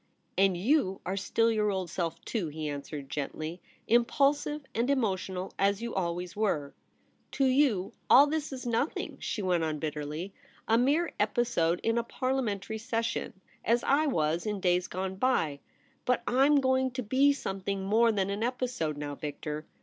* And you are still your old self, too,' he answered gently —* impulsive and emotional as you always were.' * To you all this is nothing,' she went on bitterly. * A mere episode in a Parliamentary session — as I was in days gone by. But I'm going to be something more than an episode now, Victor.